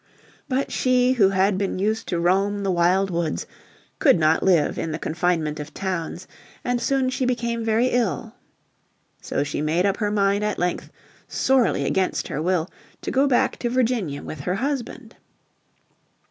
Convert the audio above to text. But she who had been used to roam the wild woods could not live in the confinement of towns, and soon she became very ill. So she made up her mind at length, sorely against her will, to go back to Virginia with her husband.